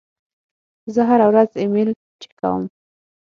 زه هره ورځ ایمیل چک کوم.